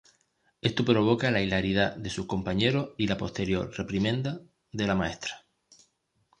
Esto provoca la hilaridad de sus compañeros y la posterior reprimenda de la maestra.